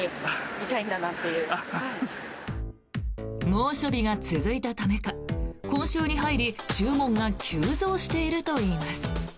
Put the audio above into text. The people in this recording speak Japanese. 猛暑日が続いたためか今週に入り注文が急増しているといいます。